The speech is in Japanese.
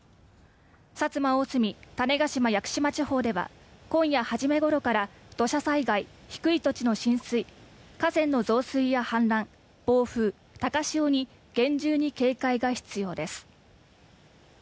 薩摩、大隅、種子島・屋久島地方では、今夜初めごろから、土砂災害、低い土地の浸水、河川の増水や氾濫、暴風、高潮に厳重に警戒が必要です。